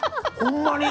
ほんまに。